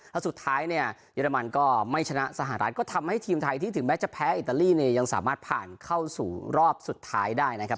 แล้วสุดท้ายเนี่ยเยอรมันก็ไม่ชนะสหรัฐก็ทำให้ทีมไทยที่ถึงแม้จะแพ้อิตาลีเนี่ยยังสามารถผ่านเข้าสู่รอบสุดท้ายได้นะครับ